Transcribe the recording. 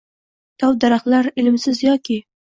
Dov-daraxtlar ilmsiz yoki.